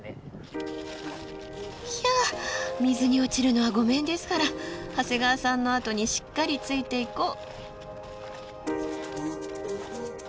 ひゃ水に落ちるのは御免ですから長谷川さんのあとにしっかりついていこう。